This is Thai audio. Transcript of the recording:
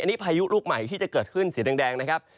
นี่พายุลูกใหม่ที่จะเกิดขึ้นสีแดงนะครับ